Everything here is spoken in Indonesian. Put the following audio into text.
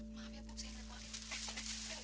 maaf ya bu saya liat dulu